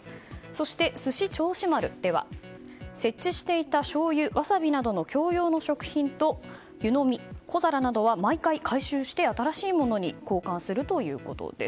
そしてすし銚子丸では設置していたしょうゆ、ワサビ共用の食品と湯呑み、小皿などは毎回、回収して新しいものに交換するということです。